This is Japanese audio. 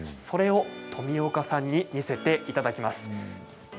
それを富岡さんに見せていただきます。